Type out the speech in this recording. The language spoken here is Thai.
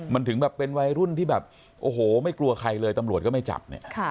มันถึงแบบเป็นวัยรุ่นที่แบบโอ้โหไม่กลัวใครเลยตำรวจก็ไม่จับเนี่ย